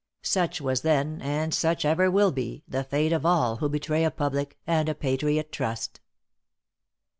Such was then and such ever will be, the fate of all who betray a public and a patriot trust.